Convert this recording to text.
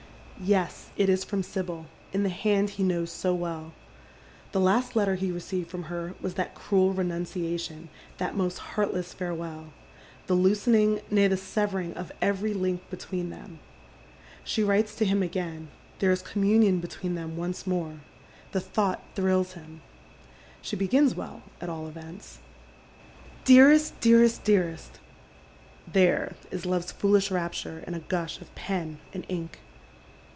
Yes, it is from Sibyl, in the hand he knows so well. The last letter he received from her was that cruel renunciation, that most heartless farewell— the loosening, nay, the severing of every link between them. She writes to him again. There is com ■^aunion between them once more. The thought thrills him. She begins well at all events :—" Dearest — deaeest — dearest !" There is love's foolish rapture in a gush of pen and ink.